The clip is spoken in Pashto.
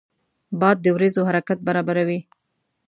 باد د وریځو حرکت برابروي